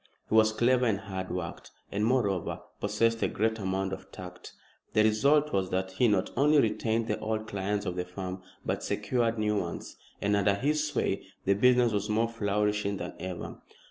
He was clever and hard worked, and, moreover, possessed a great amount of tact. The result was that he not only retained the old clients of the firm, but secured new ones, and under his sway the business was more flourishing than ever.